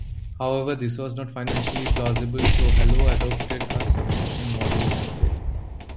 However, this was not financially plausible, so Hello adopted a subscription model instead.